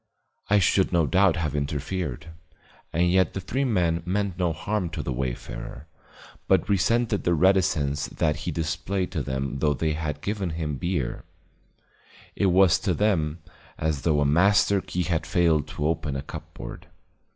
I should no doubt have interfered; and yet the three men meant no harm to the wayfarer, but resented the reticence that he displayed to them though they had given him beer; it was to them as though a master key had failed to open a cupboard.